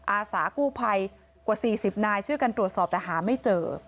อาสากู้ภัยกว่า๔๐นายช่วยกันตรวจสอบแต่หาไม่เจอ